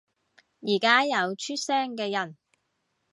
而家有出聲嘅人